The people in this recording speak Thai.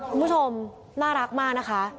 คุณผู้ชมน่ารักมากนะคะ